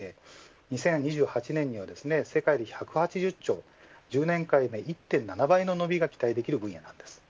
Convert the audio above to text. ２０２８年には世界で１８０兆１０年間で１．７倍の伸びが期待できる分野です。